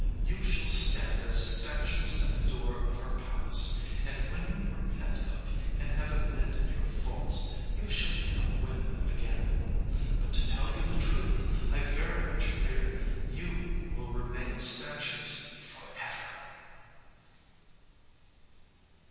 You shall stand as statues at the door of her palace, and when you repent of and have amended your faults, you shall become women again. But, to tell you the truth, I very much fear you will remain statues forever."